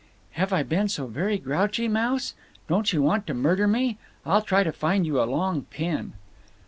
"Have I been so very grouchy, Mouse? Don't you want to murder me? I'll try to find you a long pin."